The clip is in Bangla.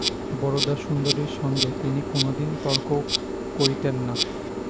বরদাসুন্দরীর সঙ্গে তিনি কোনোদিন তর্ক করিতেন না।